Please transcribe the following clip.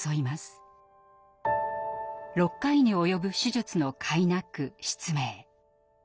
６回に及ぶ手術のかいなく失明。